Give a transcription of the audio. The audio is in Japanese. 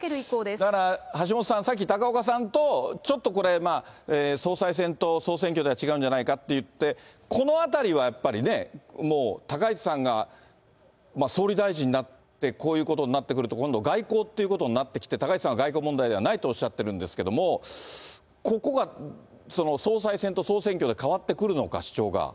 だから橋下さん、さっき高岡さんとちょっとこれ、総裁選と総選挙では違うんじゃないかっていって、このあたりはやっぱりね、もう高市さんが総理大臣になって、こういうことになってくると、今度、外交っていうことになってきて、高市さんは外交問題ではないとおっしゃってるんですけれども、ここが総裁選と総選挙で変わってくるのか、主張が。